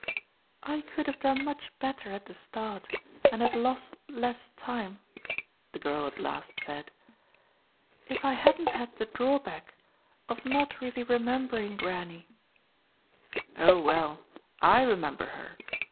"I could have done much better at the start and have lost less time," the girl at last said, "if I hadn't had the drawback of not really remembering Granny." "Oh well, I remember her!"